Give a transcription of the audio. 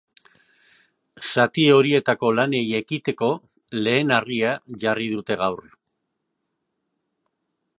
Zati horietako lanei ekiteko lehen harria jarri dute gaur.